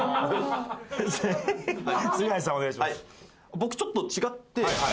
僕ちょっと違って。